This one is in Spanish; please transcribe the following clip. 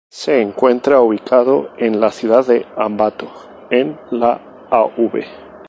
Se encuentra ubicado en la ciudad de Ambato, en la Av.